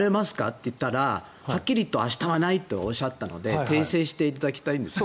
って言ったらはっきりと、明日はないとおっしゃったので訂正していただきたいんです。